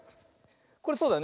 これそうだよね。